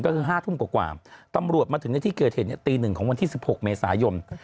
ก็คือห้าทุ่มกว่าปร่าวตำรวจมาถึงที่เกอร์เทสตีหนึ่งของวันที่๑๖เมษายน